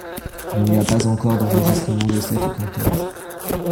Il n'y a pas encore d'enregistrement de cette cantate.